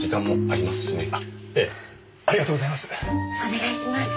ありがとうございます。